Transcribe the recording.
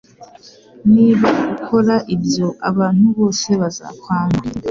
Niba ukora ibyo, abantu bose bazakwanga.